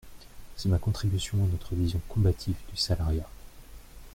C’est ma contribution à notre vision combative du salariat.